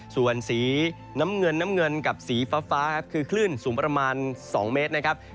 ส่วนสีน้ำเงินกับสีฟ้าคือคลื่นสูงประมาณ๒เมตรนะครับ